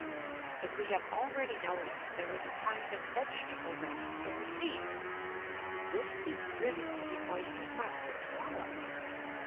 As we have already noticed, there is a kind of "vegetable dust" in the sea. This is driven to the Oyster's mouth and swallowed.